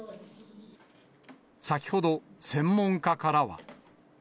先ほど、専門家からは。